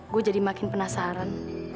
gue jadi makin penasaran